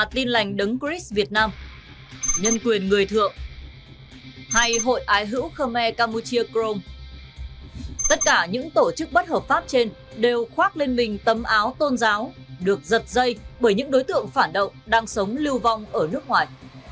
tất cả những tổ chức bất hợp pháp trên đều khoác lên mình tấm áo tôn giáo được giật dây bởi những đối tượng phản động đang sống lưu vong ở nước ngoài